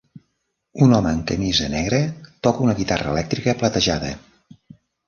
Un home amb camisa negra toca una guitarra elèctrica platejada.